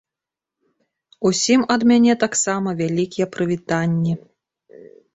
Усім ад мяне таксама вялікія прывітанні.